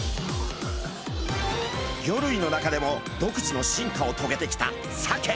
魚類の中でも独自の進化をとげてきたサケ。